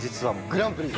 グランプリ。